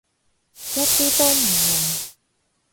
一啲都唔明